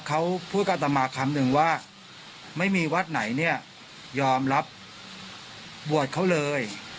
เขาพูดกับอัตมาคำหนึ่งว่าไม่มีวัดไหนเนี่ยยอมรับบวชเขาเลย